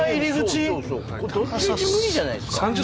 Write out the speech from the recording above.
これどっちみち無理じゃないですか？